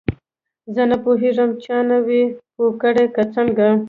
زه نه پوهیږم چا نه وې پوه کړې که څنګه.